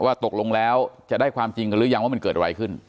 ตกลงแล้วจะได้ความจริงกันหรือยังว่ามันเกิดอะไรขึ้น